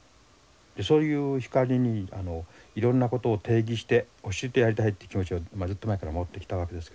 そういう光にいろんなことを提示して教えてやりたいって気持ちはずっと前から持ってきたわけですけどね。